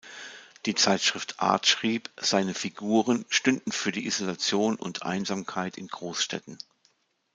Die Zeitschrift Art schrieb, seine Figuren stünden "„für die Isolation und Einsamkeit in Großstädten“".